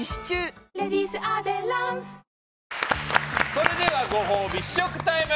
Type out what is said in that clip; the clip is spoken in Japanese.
それではご褒美、試食タイム。